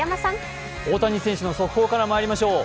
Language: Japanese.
大谷選手の速報からまいりましょう。